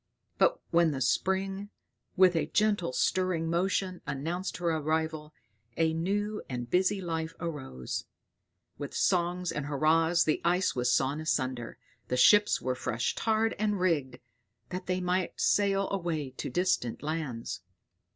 But when the spring, with a gentle stirring motion, announced her arrival, a new and busy life arose; with songs and hurrahs the ice was sawn asunder, the ships were fresh tarred and rigged, that they might sail away to distant lands.